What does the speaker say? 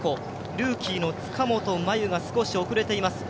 ルーキーの塚本真夕が少し遅れています。